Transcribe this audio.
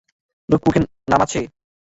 লোকমুখে নাম আছে?